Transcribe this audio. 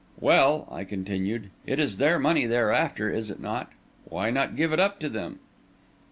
"Well," I continued, "it is their money they are after, is it not? Why not give it up to them?"